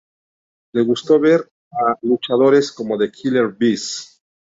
Le gustó ver a luchadores como The Killer Bees.